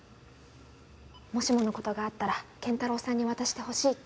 もしもの事があったら健太郎さんに渡してほしいって。